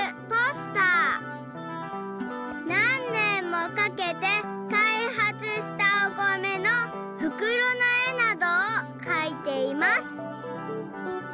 何年もかけてかいはつしたお米のふくろの絵などをかいています。